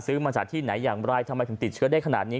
มาจากที่ไหนอย่างไรทำไมถึงติดเชื้อได้ขนาดนี้